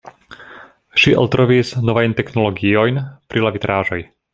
Ŝi eltrovis novajn teknologiojn pri la vitraĵoj.